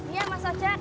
iya mas ocak